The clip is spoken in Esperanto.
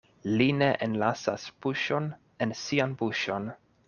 Li ne enlasas puŝon en sian buŝon.